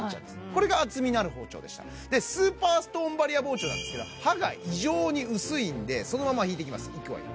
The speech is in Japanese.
これが厚みのある包丁でしたスーパーストーンバリア包丁なんですけど刃が異常に薄いんでそのまま引いていきますいくわよ